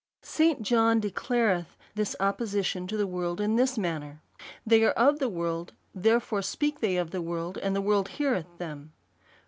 St. John declareth this opposition to the world in this manner, Thej/ are of the world : therefore, speak they of the world, and the world heareth them.